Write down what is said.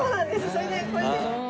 それでこれで。